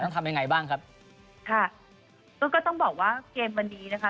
ทำยังไงบ้างครับค่ะก็ต้องบอกว่าเกมวันนี้นะคะ